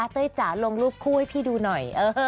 เต้ยจ๋าลงรูปคู่ให้พี่ดูหน่อย